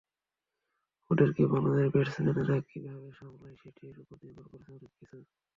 ওদেরকে বাংলাদেশের ব্যাটসম্যানরা কীভাবে সামলায়, সেটির ওপরই নির্ভর করছে অনেক কিছু।